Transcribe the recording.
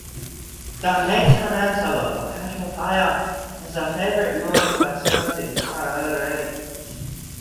The maintenance of a perpetual fire is a favorite mode of asserting high rank.